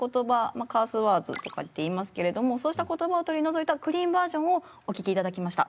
あカースワードとかって言いますけれどもそうした言葉を取り除いたクリーンバージョンをお聴きいただきました。